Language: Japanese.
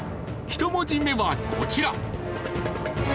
１文字目はこちら。